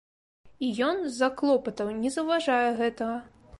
І ён, з-за клопатаў, не заўважае гэтага.